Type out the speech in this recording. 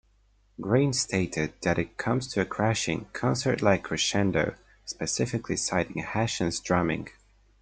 Grein stated that it "comes to a crashing, concert-like crescendo", specifically citing Hashian's drumming.